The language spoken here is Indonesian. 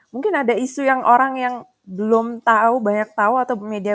mungkin ada isu yang orang yang belum tahu banyak tahu atau media